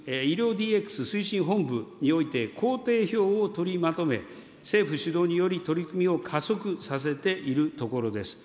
ＤＸ推進本部において、工程表を取りまとめ、政府主導により、取り組みを加速させているところです。